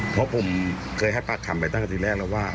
เพราะผมเคยให้ปากคำไปตั้งแต่ทีแรกแล้วว่า